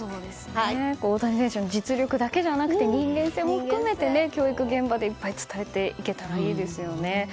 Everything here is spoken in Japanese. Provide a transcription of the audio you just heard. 大谷選手の人間性だけじゃなくて実力も教育現場で、いっぱい伝えていけたらいいですよね。